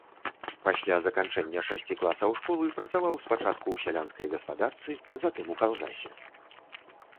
Пасля заканчэння шасці класаў школы працаваў спачатку ў сялянскай гаспадарцы, затым у калгасе.